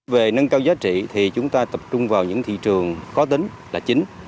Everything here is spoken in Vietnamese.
về nâng cao giá trị thì chúng ta tập trung vào những thị trường có tính là chính